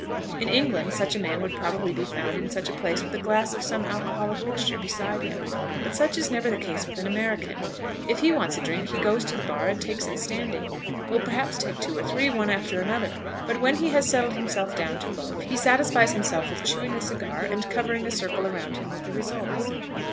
In England such a man would probably be found in such a place with a glass of some alcoholic mixture beside him, but such is never the case with an American. If he wants a drink he goes to the bar and takes it standing, will perhaps take two or three, one after another; but when he has settled himself down to loafe, he satisfies himself with chewing a cigar, and covering a circle around him with the results.